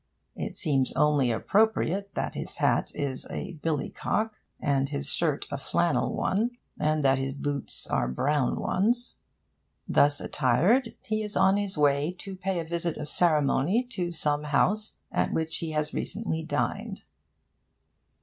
It seems only appropriate that his hat is a billy cock, and his shirt a flannel one, and that his boots are brown ones. Thus attired, he is on his way to pay a visit of ceremony to some house at which he has recently dined.